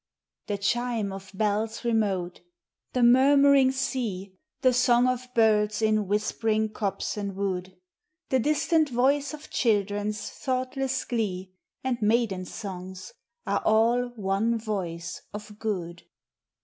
The chime of bells remote, the murmuring sea, The song of birds in whispering copse and wood. The distant voice of children's thoughtless glee. And maiden's songs, are all one voice of good.